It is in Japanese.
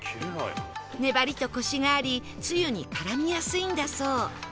粘りとコシがありツユに絡みやすいんだそう